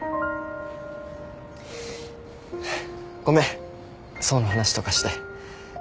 ごめん想の話とかして。